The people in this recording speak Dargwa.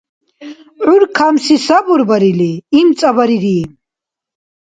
ГӀур камси сабурбарили, имцӀабарири